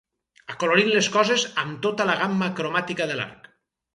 Acolorint les coses amb tota la gamma cromàtica de l'arc.